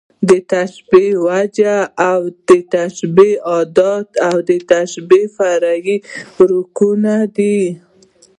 د تشبېه وجه او د تشبېه ادات، د تشبېه فرعي رکنونه دي.